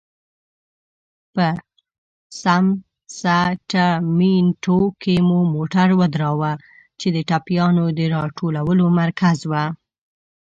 په سمسټمینټو کې مو موټر ودراوه، چې د ټپيانو د را ټولولو مرکز و.